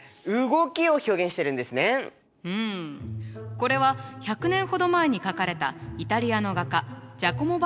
これは１００年ほど前に描かれたイタリアの画家ジャコモ・バッラの作品。